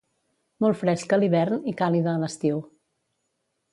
Molt fresca a l'hivern i càlida a l'estiu.